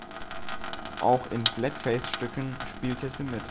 Auch in Blackface-Stücken spielte sie mit.